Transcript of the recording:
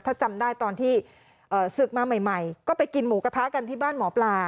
ถ้าจำได้ตอนที่ศึกมาใหม่ก็ไปกินหมูกระทะกันที่บ้านหมอปลา